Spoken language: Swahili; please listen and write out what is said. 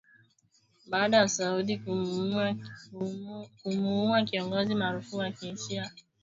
Baada ya Saudi kumuua kiongozi maarufu wa kishia, aliyejulikana kama Nimr al-Nimr.